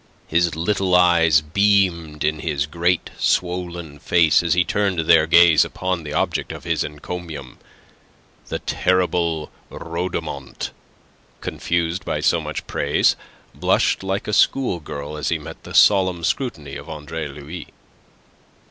His little eyes beamed in his great swollen face as he turned their gaze upon the object of his encomium. The terrible Rhodomont, confused by so much praise, blushed like a schoolgirl as he met the solemn scrutiny of Andre Louis.